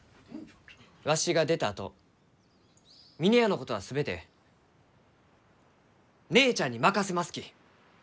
わしが出たあと峰屋のことは全て姉ちゃんに任せますき。